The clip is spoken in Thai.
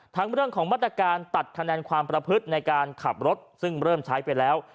เรื่องของมาตรการตัดคะแนนความประพฤติในการขับรถซึ่งเริ่มใช้ไปแล้ว